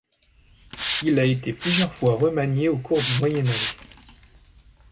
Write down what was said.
Il a été plusieurs fois remanié au cours du Moyen Âge.